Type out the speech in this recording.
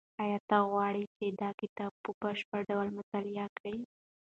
ایا ته غواړې چې دا کتاب په بشپړ ډول مطالعه کړې؟